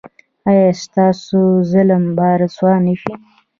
ایا ستاسو ظالم به رسوا نه شي؟